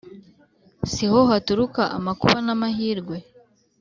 si ho haturuka amakuba n’amahirwe?